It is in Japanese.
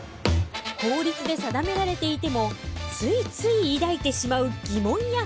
法律で定められていてもついつい抱いてしまう疑問や不満。